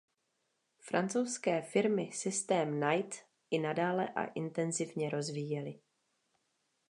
Francouzské firmy systém Knight i nadále a intenzivně rozvíjely.